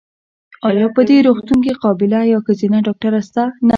ایا په دي روغتون کې قابیله یا ښځېنه ډاکټره سته؟